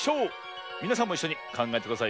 みなさんもいっしょにかんがえてくださいよ。